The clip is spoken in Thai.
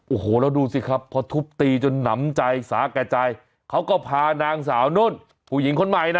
โอ้โหแล้วดูสิครับพอทุบตีจนหนำใจสาแก่ใจเขาก็พานางสาวนุ่นผู้หญิงคนใหม่นะ